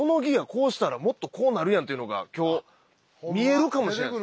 こうしたらもっとこうなるやんっていうのが今日見えるかもしれない。